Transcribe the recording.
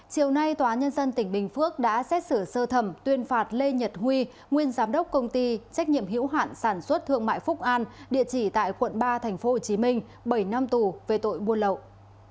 chiều nay tòa nhân dân tỉnh bình phước đã xét xử sơ thẩm tuyên phạt lê nhật huy nguyên giám đốc công ty trách nhiệm hiểu hạn sản xuất thương mại phúc an địa chỉ tại quận ba tp hcm bảy năm tù về tội buôn lậu